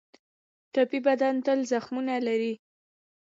ټپي بدن تل زخمونه لري.